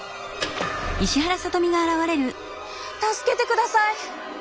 助けてください！